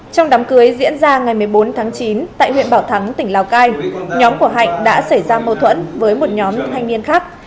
trong đám cưới diễn ra ngày một mươi bốn tháng chín tại huyện bảo thắng tỉnh lào cai nhóm của hạnh đã xảy ra mâu thuẫn với một nhóm thanh niên khác